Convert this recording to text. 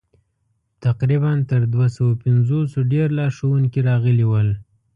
تقریباً تر دوه سوه پنځوسو ډېر لارښوونکي راغلي ول.